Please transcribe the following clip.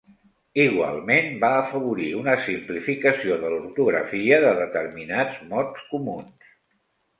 Igualment, va afavorir una simplificació de l'ortografia de determinats mots comuns.